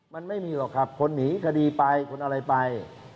มันไม่มีหรอกครับคนหนีคดีไปคนอะไรไป